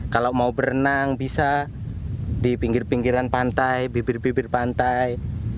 kalau mau berenang bisa di pinggir pinggiran pantai bibir bibir pantai